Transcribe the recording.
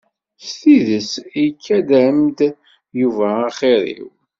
S tidet ikad-am-d Yuba axir-iw?